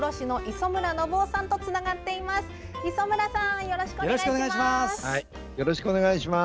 磯村さん、よろしくお願いします。